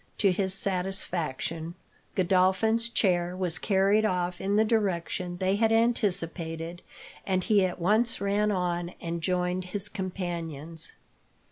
To his satisfaction, Godolphin's chair was carried off in the direction they had anticipated, and he at once ran on and joined his companions.